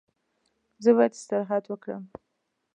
زه باید استراحت وکړم.